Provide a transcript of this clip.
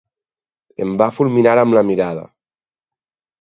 Em va fulminar amb la mirada.